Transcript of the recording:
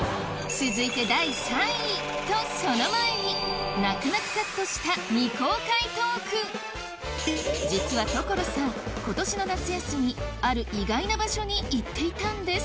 続いてとその前に泣く泣くカットした実は所さん今年の夏休みある意外な場所に行っていたんです